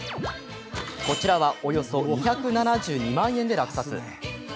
こちらはおよそ５７２万円で落札。